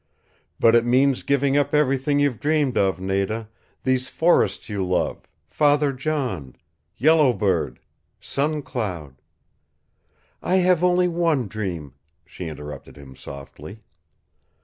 "But it means giving up everything you've dreamed of, Nada these forests you love, Father John, Yellow Bird, Sun Cloud " "I have only one dream," she interrupted him softly.